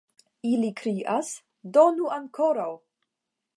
Ili krias: donu ankoraŭ!